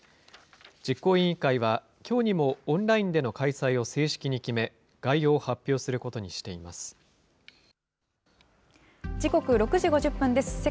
実行委員会はきょうにもオンラインでの開催を正式に決め、概要を時刻、６時５０分です。